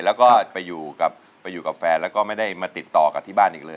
แล้วก็ไปอยู่กับไปอยู่กับแฟนแล้วก็ไม่ได้มาติดต่อกับที่บ้านอีกเลย